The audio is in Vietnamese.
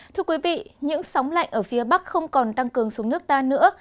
thưa quý vị những sóng lạnh ở phía bắc không còn tăng cường xuống nước ta nữa